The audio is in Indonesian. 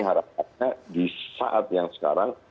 harapannya di saat yang sekarang